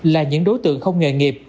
là những đối tượng không nghề nghiệp